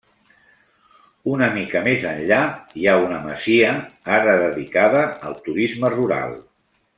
Una mica més enllà hi ha una masia, ara dedicada al turisme rural.